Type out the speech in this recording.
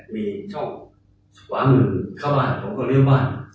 มีช่องก็นืมเข้าบ้านผมก็เลื่อนบ้าน